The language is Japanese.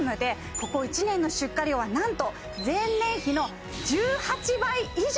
ここ１年の出荷量はなんと前年比の１８倍以上！